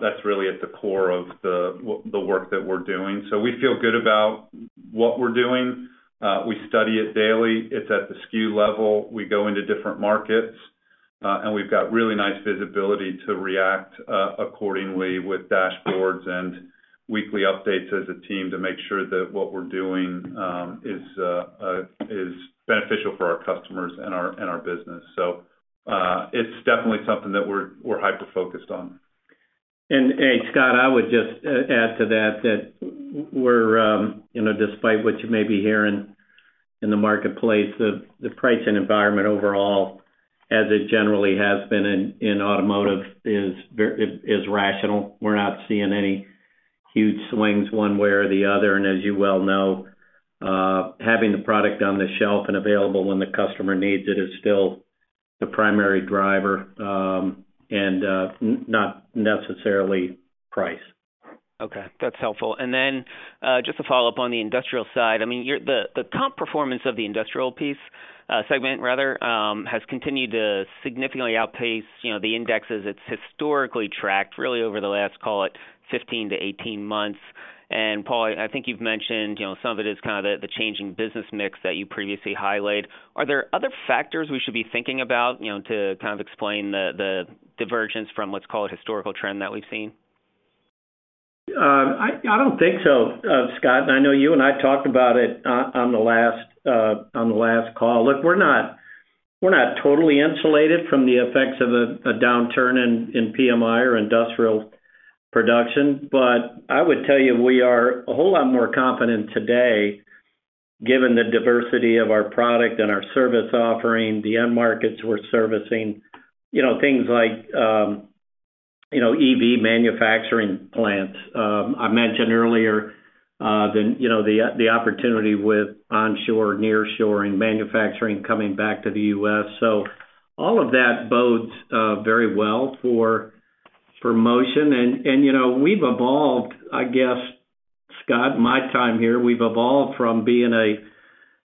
That's really at the core of the work that we're doing. We feel good about what we're doing. We study it daily. It's at the SKU level. We go into different markets, and we've got really nice visibility to react, accordingly with dashboards and. Weekly updates as a team to make sure that what we're doing, is beneficial for our customers and our business. It's definitely something that we're hyper-focused on. Scot, I would just add to that we're, you know, despite what you may be hearing in the marketplace, the pricing environment overall, as it generally has been in automotive is rational. We're not seeing any huge swings one way or the other. As you well know, having the product on the shelf and available when the customer needs it is still the primary driver, and not necessarily price. Okay, that's helpful. Just to follow up on the industrial side. I mean, the top performance of the industrial piece, segment rather, has continued to significantly outpace, you know, the indexes it's historically tracked really over the last, call it, 15-18 months. Paul, I think you've mentioned, you know, some of it is kind of the changing business mix that you previously highlight. Are there other factors we should be thinking about, you know, to kind of explain the divergence from, let's call it, historical trend that we've seen? I don't think so, Scot. I know you and I talked about it on the last call. Look, we're not totally insulated from the effects of a downturn in PMI or industrial production. I would tell you, we are a whole lot more confident today given the diversity of our product and our service offering, the end markets we're servicing. You know, things like, you know, EV manufacturing plants. I mentioned earlier, you know, the opportunity with onshore, nearshoring, manufacturing coming back to the US. All of that bodes very well for Motion. And, you know, we've evolved, I guess, Scot, my time here, we've evolved from being a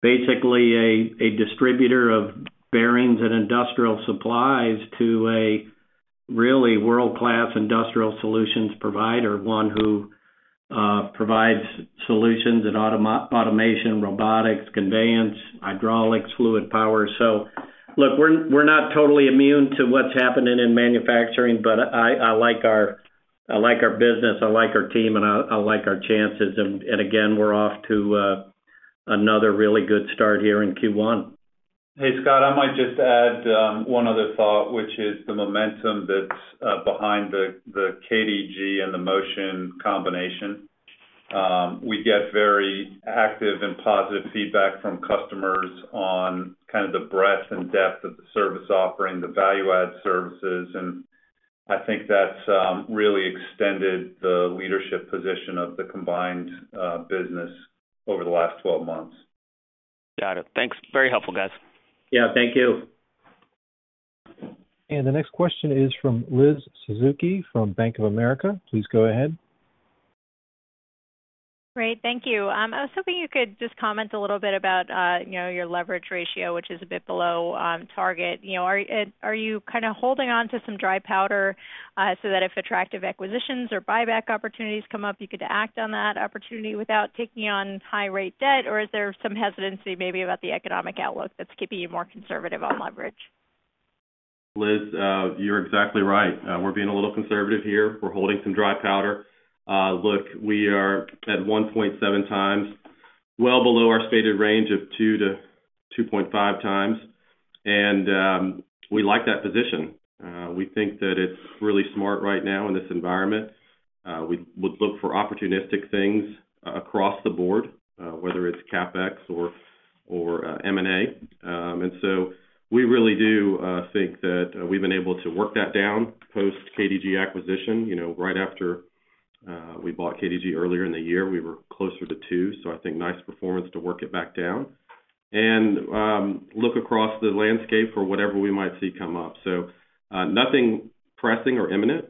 basically a distributor of bearings and industrial supplies to a really world-class industrial solutions provider, one who provides solutions in automation, robotics, conveyance, hydraulics, fluid power. Look, we're not totally immune to what's happening in manufacturing, but I like our business, I like our team, and I like our chances. Again, we're off to another really good start here in Q1. Hey, Scot, I might just add one other thought, which is the momentum that's behind the KDG and the Motion combination. We get very active and positive feedback from customers on kind of the breadth and depth of the service offering, the value-add services, and I think that's really extended the leadership position of the combined business over the last 12 months. Got it. Thanks. Very helpful, guys. Yeah, thank you. The next question is from Liz Suzuki from Bank of America. Please go ahead. Great. Thank you. I was hoping you could just comment a little bit about, you know, your leverage ratio, which is a bit below target. You know, are you kind of holding on to some dry powder so that if attractive acquisitions or buyback opportunities come up, you could act on that opportunity without taking on high rate debt? Or is there some hesitancy maybe about the economic outlook that's keeping you more conservative on leverage? Liz, you're exactly right. We're being a little conservative here. We're holding some dry powder. Look, we are at 1.7x, well below our stated range of 2x-2.5x, and we like that position. We think that it's really smart right now in this environment. We would look for opportunistic things across the board, whether it's CapEx or M&A. We really do think that we've been able to work that down post KDG acquisition. You know, right after we bought KDG earlier in the year, we were closer to 2x, so I think nice performance to work it back down. Look across the landscape for whatever we might see come up. Nothing pressing or imminent,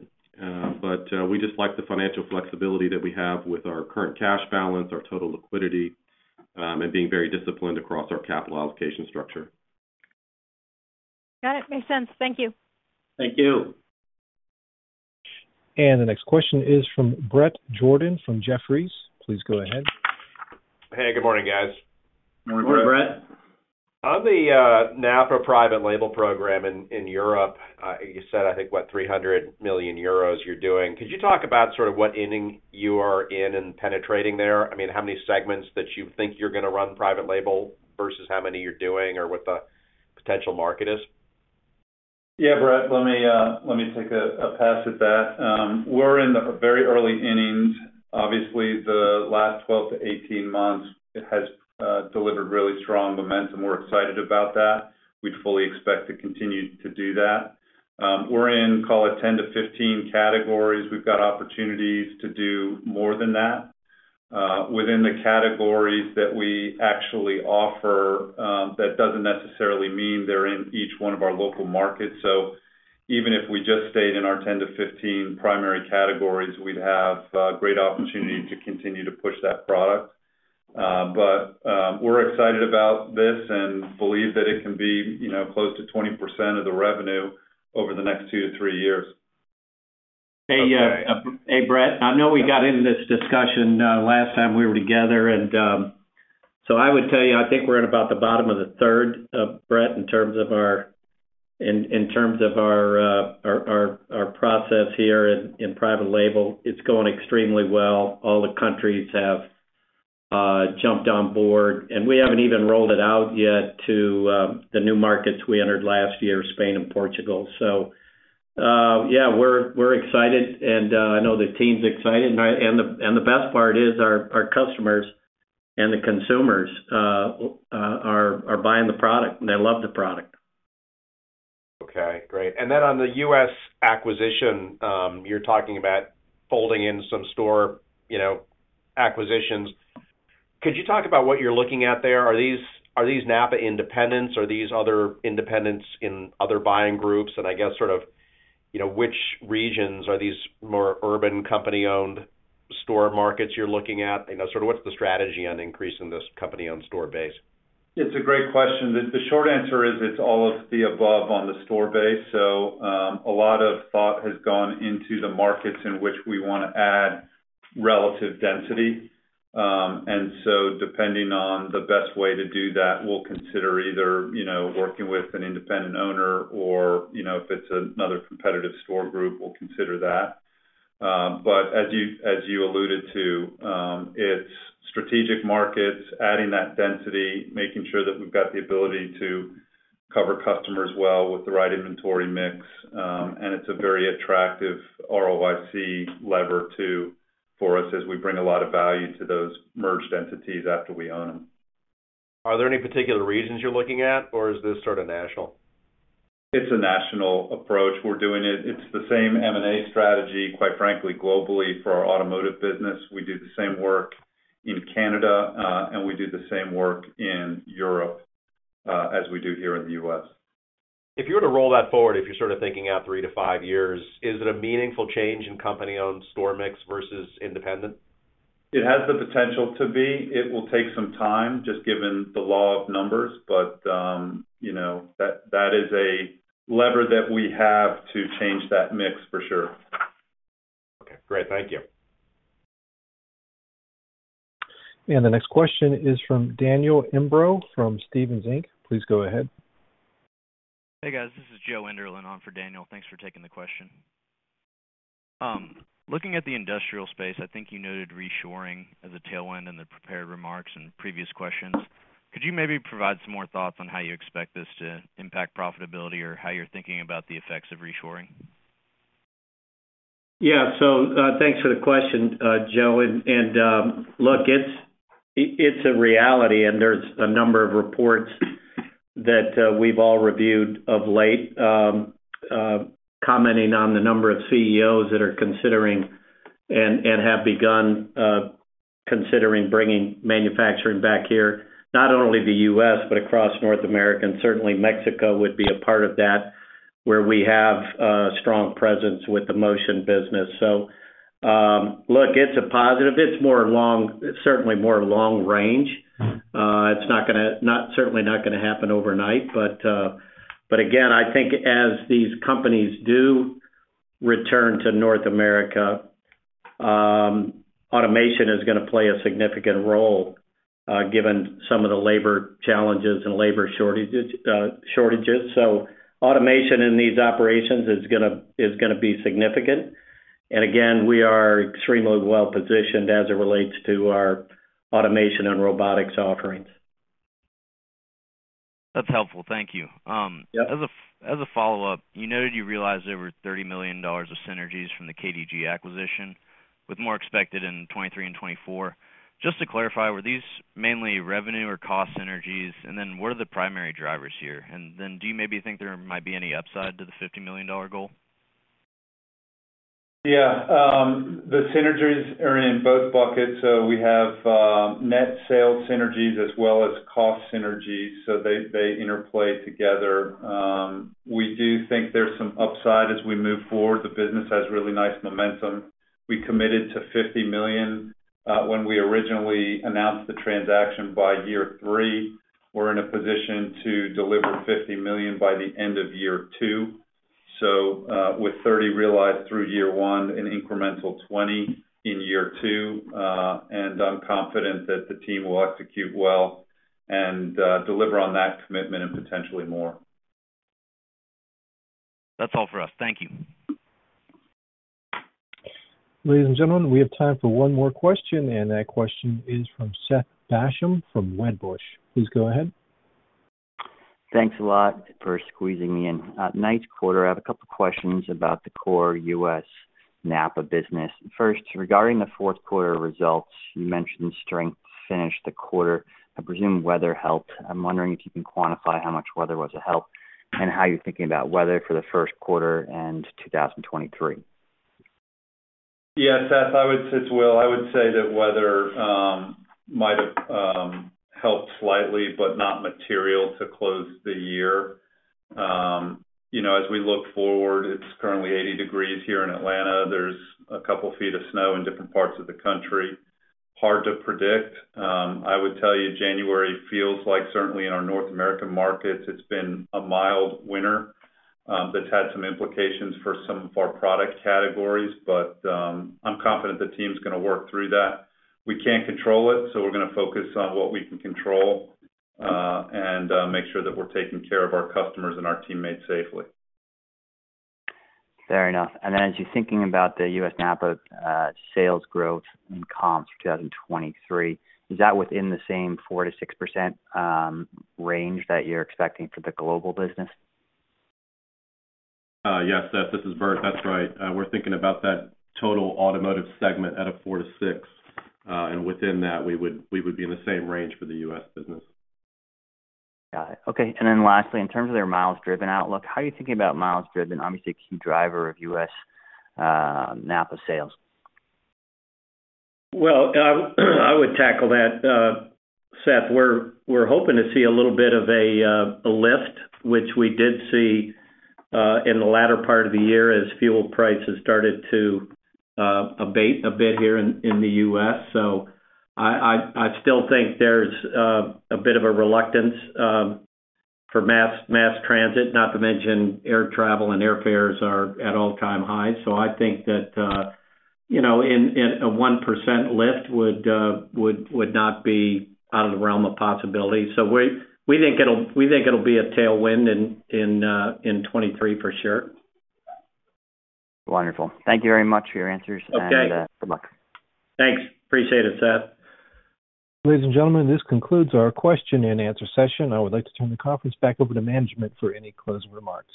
but we just like the financial flexibility that we have with our current cash balance, our total liquidity, and being very disciplined across our capital allocation structure. Got it. Makes sense. Thank you. Thank you. The next question is from Bret Jordan from Jefferies. Please go ahead. Hey, good morning, guys. Good morning, Bret. Good morning, Bret. On the NAPA private label program in Europe, you said, I think, what, 300 million euros you're doing. Could you talk about sort of what inning you are in penetrating there? I mean, how many segments that you think you're going to run private label versus how many you're doing or what the potential market is? Yeah, Bret, let me take a pass at that. We're in the very early innings. Obviously, the last 12 to 18 months, it has delivered really strong momentum. We're excited about that. We'd fully expect to continue to do that. We're in, call it, 10 to 15 categories. We've got opportunities to do more than that. Within the categories that we actually offer, that doesn't necessarily mean they're in each one of our local markets. Even if we just stayed in our 10 to 15 primary categories, we'd have great opportunity to continue to push that product. We're excited about this and believe that it can be, you know, close to 20% of the revenue over the next two to three years. Okay. Hey, hey, Brett. I know we got into this discussion, last time we were together. I would tell you, I think we're at about the bottom of the third, Brett, in terms of our process here in private label. It's going extremely well. All the countries have jumped on board, and we haven't even rolled it out yet to the new markets we entered last year, Spain and Portugal. Yeah, we're excited, and I know the team's excited. The best part is our customers and the consumers are buying the product, and they love the product. Okay, great. On the U.S. acquisition, you're talking about folding in some store, you know, acquisitions. Could you talk about what you're looking at there? Are these NAPA independents? Are these other independents in other buying groups? I guess sort of, you know, which regions are these more urban company-owned store markets you're looking at? You know, sort of what's the strategy on increasing this company-owned store base? It's a great question. The, the short answer is it's all of the above on the store base. A lot of thought has gone into the markets in which we want to add relative density. Depending on the best way to do that, we'll consider either, you know, working with an independent owner or, you know, if it's another competitive store group, we'll consider that. As you, as you alluded to, it's strategic markets, adding that density, making sure that we've got the ability to cover customers well with the right inventory mix. It's a very attractive ROIC lever too for us as we bring a lot of value to those merged entities after we own them. Are there any particular reasons you're looking at, or is this sort of national? It's a national approach. We're doing it. It's the same M&A strategy, quite frankly, globally for our automotive business. We do the same work in Canada, and we do the same work in Europe, as we do here in the U.S. If you were to roll that forward, if you're sort of thinking out three to five years, is it a meaningful change in company-owned store mix versus independent? It has the potential to be. It will take some time, just given the law of numbers. you know, that is a lever that we have to change that mix for sure. Okay, great. Thank you. The next question is from Daniel Imbro from Stephens Inc. Please go ahead. Hey, guys. This is Joe Enderlin on for Daniel. Thanks for taking the question. Looking at the industrial space, I think you noted reshoring as a tailwind in the prepared remarks and previous questions. Could you maybe provide some more thoughts on how you expect this to impact profitability or how you're thinking about the effects of reshoring? Thanks for the question, Joe. Look, it's a reality, and there's a number of reports that we've all reviewed of late, commenting on the number of CEOs that are considering and have begun considering bringing manufacturing back here, not only the US, but across North America. Certainly Mexico would be a part of that, where we have a strong presence with the Motion business. Look, it's a positive. It's certainly more long range. It's certainly not going to happen overnight. Again, I think as these companies do return to North America, automation is going to play a significant role, given some of the labor challenges and labor shortages. Automation in these operations is going to be significant. Again, we are extremely well-positioned as it relates to our automation and robotics offerings. That's helpful. Thank you. Yeah. As a follow-up, you noted you realized over $30 million of synergies from the KDG acquisition, with more expected in 2023 and 2024. Just to clarify, were these mainly revenue or cost synergies? What are the primary drivers here? Do you maybe think there might be any upside to the $50 million goal? The synergies are in both buckets. We have net sales synergies as well as cost synergies, they interplay together. We do think there's some upside as we move forward. The business has really nice momentum. We committed to $50 million when we originally announced the transaction by year three. We're in a position to deliver $50 million by the end of year two. With $30 realized through year one and incremental $20 in year two, I'm confident that the team will execute well and deliver on that commitment and potentially more. That's all for us. Thank you. Ladies and gentlemen, we have time for one more question, and that question is from Seth Basham from Wedbush. Please go ahead. Thanks a lot for squeezing me in. Nice quarter. I have a couple questions about the core U.S. NAPA business. First, regarding the fourth quarter results, you mentioned strength to finish the quarter. I presume weather helped. I'm wondering if you can quantify how much weather was a help and how you're thinking about weather for the first quarter and 2023. Yeah, Seth, I would say it's Will. I would say that weather might have helped slightly, but not material to close the year. You know, as we look forward, it's currently 80 degrees here in Atlanta. There's a couple feet of snow in different parts of the country. Hard to predict. I would tell you January feels like, certainly in our North American markets, it's been a mild winter. That's had some implications for some of our product categories, but I'm confident the team's going to work through that. We can't control it, so we're going to focus on what we can control, and make sure that we're taking care of our customers and our teammates safely. Fair enough. As you're thinking about the U.S. NAPA sales growth and comps for 2023, is that within the same 4%-6% range that you're expecting for the global business? Yes. Seth, this is Bert. That's right. We're thinking about that total automotive segment at a 4%-6%. Within that, we would be in the same range for the U.S. business. Got it. Okay. Lastly, in terms of their miles driven outlook, how are you thinking about miles driven, obviously a key driver of U.S., NAPA sales? Well, I would tackle that. Seth, we're hoping to see a little bit of a lift, which we did see in the latter part of the year as fuel prices started to abate a bit here in the U.S. I still think there's a bit of a reluctance for mass transit, not to mention air travel and airfares are at all-time highs. I think that, you know, in a 1% lift would not be out of the realm of possibility. We think it'll be a tailwind in 2023 for sure. Wonderful. Thank you very much for your answers. Okay. Good luck. Thanks. Appreciate it, Seth. Ladies and gentlemen, this concludes our question and answer session. I would like to turn the conference back over to management for any closing remarks.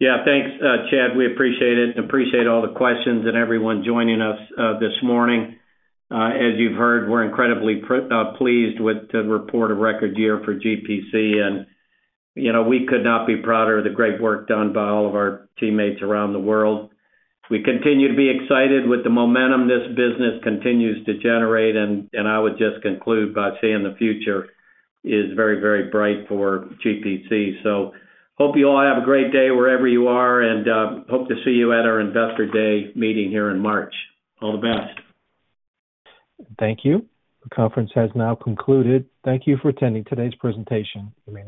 Yeah. Thanks, Chad, we appreciate it, and appreciate all the questions and everyone joining us this morning. As you've heard, we're incredibly pleased with the report of record year for GPC. You know, we could not be prouder of the great work done by all of our teammates around the world. We continue to be excited with the momentum this business continues to generate, and I would just conclude by saying the future is very, very bright for GPC. Hope you all have a great day wherever you are, and hope to see you at our Investor Day meeting here in March. All the best. Thank you. The conference has now concluded. Thank you for attending today's presentation. You may disconnect.